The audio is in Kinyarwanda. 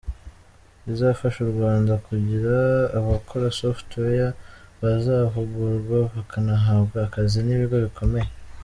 Izafasha u Rwanda kugira abakora software, bazahugurwa bakanahabwa akazi n’ibigo bikomeye.